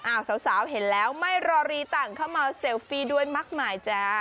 สาวเห็นแล้วไม่รอรีต่างเข้ามาเซลฟี่ด้วยมากมายจ้า